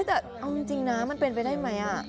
แต่เอาจริงนะมันเป็นไปได้ไหม